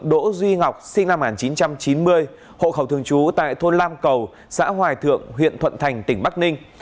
đỗ duy ngọc sinh năm một nghìn chín trăm chín mươi hộ khẩu thường trú tại thôn lam cầu xã hoài thượng huyện thuận thành tỉnh bắc ninh